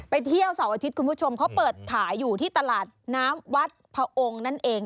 เที่ยวเสาร์อาทิตย์คุณผู้ชมเขาเปิดขายอยู่ที่ตลาดน้ำวัดพระองค์นั่นเอง